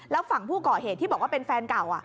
แล้วฝั่งผู้ก่อเหตุที่บอกว่าเป็นแฟนเก่า